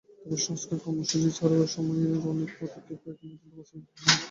তবে সংস্কার কর্মসূচি ছাড়াও সেই সময়ের অনেক পদক্ষেপই এখন পর্যন্ত বাস্তবায়ন করা হয়নি।